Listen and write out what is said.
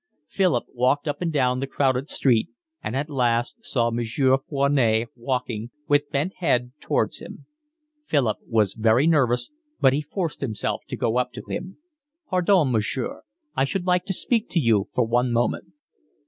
Philip walked up and down the crowded street and at last saw Monsieur Foinet walking, with bent head, towards him; Philip was very nervous, but he forced himself to go up to him. "Pardon, monsieur, I should like to speak to you for one moment."